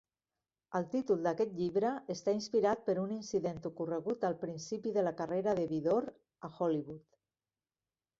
El títol d'aquest llibre està inspirat per un incident ocorregut al principi de la carrera de Vidor a Hollywood.